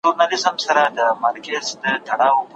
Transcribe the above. ما په دغه کمپیوټر کي د ژبو د زده کړې ډېر معلومات ثبت کړل.